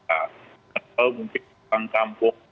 atau mungkin di sekitar kampung